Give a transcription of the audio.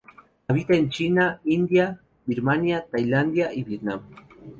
Habita en China, India, Birmania, Tailandia y Vietnam.